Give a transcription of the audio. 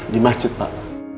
di masjid pak